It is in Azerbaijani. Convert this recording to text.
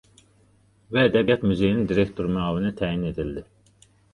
Və Ədəbiyyat Muzeyinin direktor müavini təyin edildi.